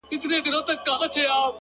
o دا ستا شعرونه مي د زړه آواز دى ـ